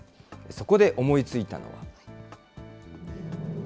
そこで思いついたのが。